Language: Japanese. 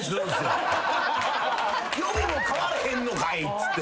予備も買われへんのかいっつって。